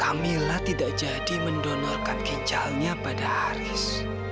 camilla tidak jadi mendonorkan ginjalnya pada haris